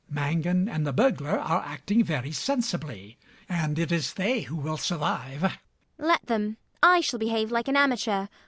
Mangan and the burglar are acting very sensibly; and it is they who will survive. ELLIE. Let them. I shall behave like an amateur.